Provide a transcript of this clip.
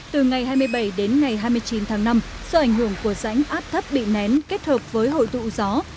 từ ngày hai mươi bảy đến ngày hai mươi chín tháng năm do ảnh hưởng của rãnh áp thấp bị nén kết hợp với hội tụ gió